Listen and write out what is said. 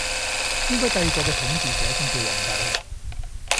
應該帝國嘅統治者先叫皇帝